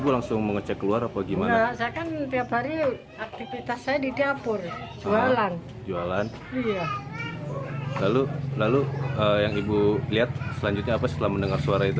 lalu yang ibu lihat selanjutnya apa setelah mendengar suara itu